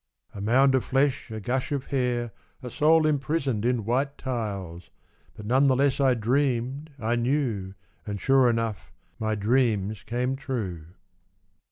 A mound of ilcsh, a gush of hair, A soul imprisoned in white tiles, But none the less I dreamed, I knew, And sure enough, my dreams came true.